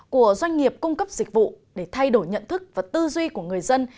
của doanh nghiệp cung cấp dịch vụ để thay đổi nhận thức và tư duy của người dân